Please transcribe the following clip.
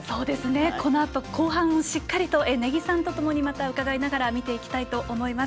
このあと後半しっかりと根木さんとまた伺いながら見ていきたいと思います。